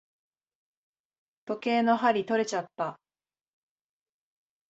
時計の針とれちゃった。